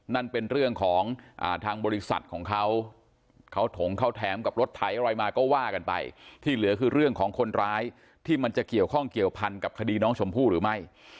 นั่นเป็นเรื่องของทางบริษัทของเขาเขาถงเขาแถมกับรถไถอะไรมาก็ว่ากันไปที่เหลือคือเรื่องของคนร้ายที่มันจะเกี่ยวข้องเกี่ยวพันกับคดีน้องชมพู่หรือไม่